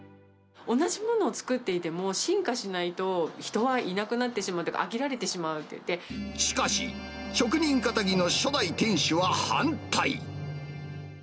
同じものを作っていても、進化しないと人はいなくなってしまう、飽きられてしまうって言っしかし、職人かたぎの初代店主は反対。